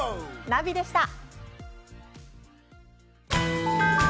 ナビでした。